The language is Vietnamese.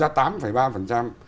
xã hội không phải bỏ ra tám ba